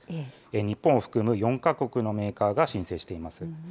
日本を含む４か国のメーカーが申請しています。